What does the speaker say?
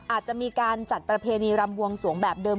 อาจจะมีการจัดประเพณีรำบวงสวงแบบเดิม